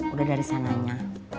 udah dari sananya